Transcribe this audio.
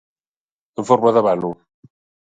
En forma de vano.